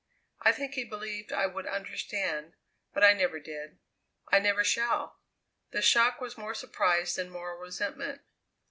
I think he believed I would understand, but I never did; I never shall. The shock was more surprise than moral resentment.